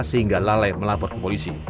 sehingga lalai melapor ke polisi